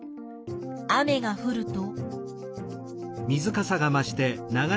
雨がふると。